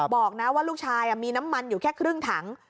บอกนะว่าลูกชายมีน้ำมันอยู่แค่ครึ่งถัง